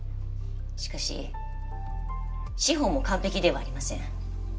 しかし司法も完璧ではありません。